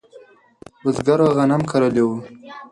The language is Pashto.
بزګرو غنم کرلی و.